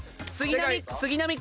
杉並区。